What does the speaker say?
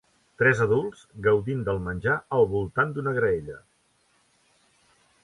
Tres adults gaudint del menjar al voltant d'una graella.